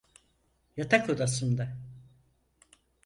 Yatak odasında.